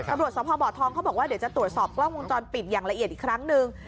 ตำรวจสพบทองเขาบอกว่าเดี๋ยวจะตรวจสอบกล้องวงจรปิดอย่างละเอียดอีกครั้งหนึ่ง